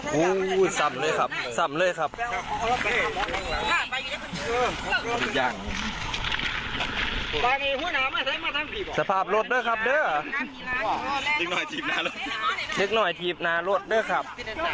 หูสำเลยครับสำเลยครับ